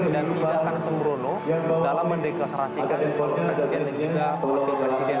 dan tidak akan sembrono dalam mendeklarasikan contoh presiden dan juga pemotil presiden dua ribu dua puluh empat